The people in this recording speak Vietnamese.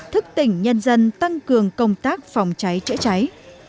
thức tỉnh nhân dân tăng cường công tác phòng cháy chữa cháy